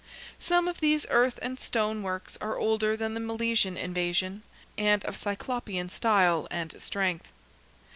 Some of these earth and stone works are older than the Milesian invasion, and of Cyclopean style and strength.